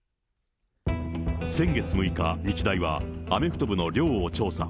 先月６日、日大は、アメフト部の寮を調査。